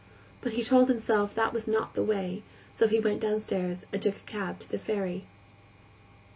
But he told himself that was not the way, so he went downstairs and took a cab to the ferry.